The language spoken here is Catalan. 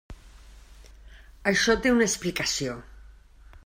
Això té una explicació.